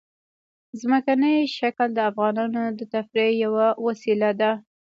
ځمکنی شکل د افغانانو د تفریح یوه وسیله ده.